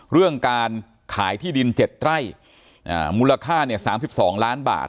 เรื่องการขายที่ดิน๗ไร่มูลค่า๓๒ล้านบาท